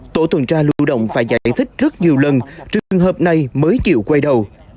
tổ tuần tra lưu động phải giải thích rất nhiều lần trừ trường hợp này mới chịu quay đầu